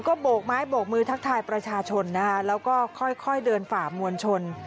ก็โบกไม้โบกมือทักทายประชาชนนะคะแล้วก็ค่อยเดินฝ่ามวลชน